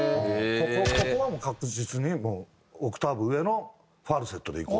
ここはもう確実にオクターブ上のファルセットでいこうとかって。